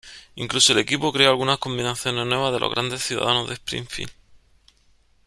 Incluso el equipo creó algunas combinaciones nuevas de los grandes ciudadanos de Springfield.